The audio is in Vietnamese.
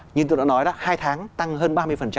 như tôi đã nói đó hai tháng tăng hơn ba mươi